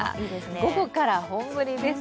午後から本降りです。